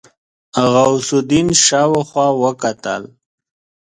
غوث الدين شاوخوا وکتل.